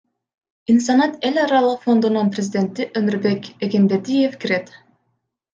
Инсанат эл аралык фондунун президенти Өмурбек Эгембердиев кирет.